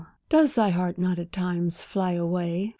does thy heart not at times fly away?